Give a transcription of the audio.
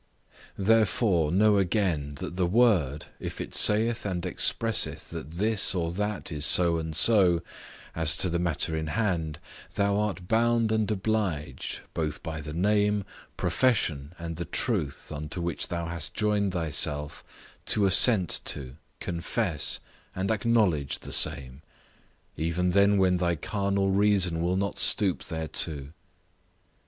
Therefore, know again, that the Word, if it saith and expresseth that this or that is so and so, as to the matter in hand, thou art bound and obliged, both by the name, profession, and the truth, unto which thou hast joined thyself, to assent to, confess, and acknowledge the same, even then when thy carnal reason will not stoop thereto.